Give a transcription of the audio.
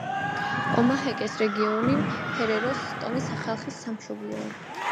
ომაჰეკეს რეგიონი ჰერეროს ტომის ხალხის სამშობლოა.